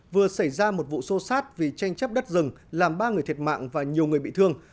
vừa xảy ra một vụ xô xát vì tranh chấp đất rừng làm ba người thiệt mạng và nhiều người bị thương